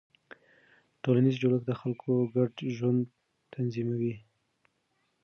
ټولنیز جوړښت د خلکو ګډ ژوند تنظیموي.